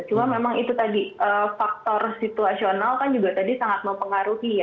cuma memang itu tadi faktor situasional kan juga tadi sangat mempengaruhi ya